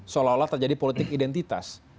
seolah olah terjadi politik identitas